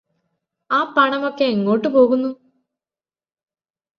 ആ പണമൊക്കെ എങ്ങോട്ട് പോകുന്നു